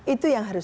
itu yang harus